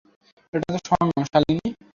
এটা তো স্বর্ণ, শালিনী।